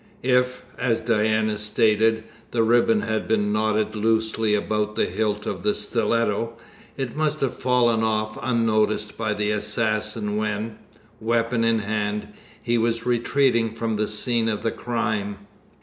If, as Diana stated, the ribbon had been knotted loosely about the hilt of the stiletto, it must have fallen off unnoticed by the assassin when, weapon in hand, he was retreating from the scene of crime.